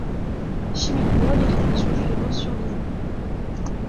Chimiquement, les réactions suivantes surviennent.